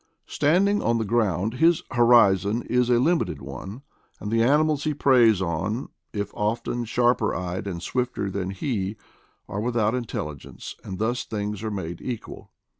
Standing on the ground, his horizon is a limited one ; and the animals he preys on, if often sharper SIGHT IN SAVAGES 177 eyed and swifter than he, are without intelligence, and thus things are made equal.